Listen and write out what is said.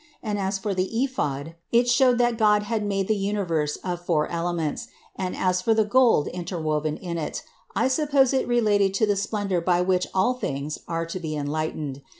And as for the ephod, it showed that God had made the universe of four elements, and as for the gold interwoven in it, I suppose it related to the splendor by which all things are to be enlightened.